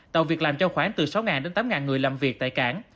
tạo việc làm cho khoảng từ sáu đến tám người làm việc tại cảng